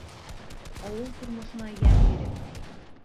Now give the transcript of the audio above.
Ауыл тормошона йәм биреп